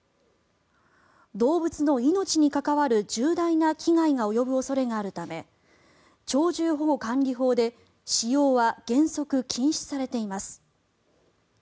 動物の命に関わる重大な危害が及ぶ恐れがあるため鳥獣保護管理法で使用は原則禁止されています。